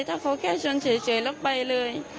ถ้าเขาแค่ชนเฉยแล้วไปเลย